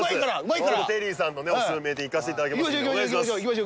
テリーさんのねおすすめの名店行かしていただきますんでお願いします